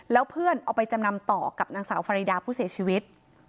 แล้วเพื่อนเอาไปจำนำต่อกับนางสาวฟารีดาผู้เสียชีวิต